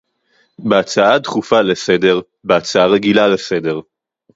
בהצעה דחופה לסדר, בהצעה רגילה לסדר